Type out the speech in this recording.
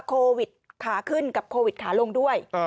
โควิดขาขึ้นกับโควิดขาลงด้วย